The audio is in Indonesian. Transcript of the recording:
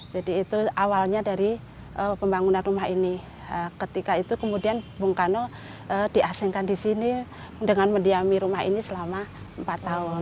jadi itu awalnya dari pembangunan rumah ini ketika itu kemudian bung karno diasingkan disini dengan mendiami rumah ini selama empat tahun